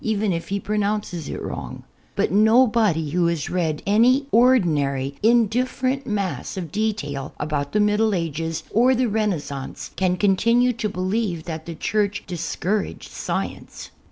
even if he ])ron()unces it wrong. l>ut no l)odv who has read anv ordinarv indifferent mass of de ANTI CATHOJ.IC HISTORY tail about the iMiddle Ages or the Renaissance can con tinue to beHeve that the Church discouraged science.